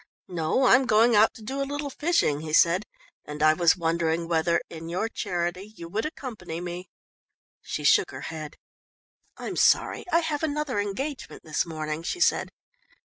"No, I'm going out to do a little fishing," he said, "and I was wondering whether, in your charity, you would accompany me." She shook her head. "I'm sorry I have another engagement this morning," she said.